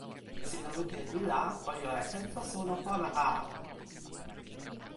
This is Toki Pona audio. sina lukin e ni la o jo e tenpo suno pona a!